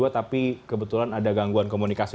tapi kebetulan ada gangguan komunikasi